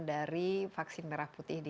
dari vaksin merah putih ini